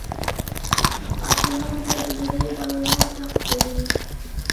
ئاتىنىڭ تەدبىرى بالىنىڭ تەقدىرى.